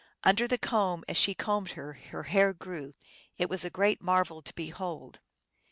Under the comb, as she combed her, her hair grew. It was a great marvel to behold.